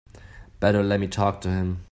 Better let me talk to him.